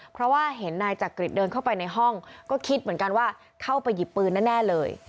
เพราะว่าเห็นนายจักริจเดินเข้าไปในห้องก็คิดเหมือนกันว่าเข้าไปหยิบปืนแน่เลย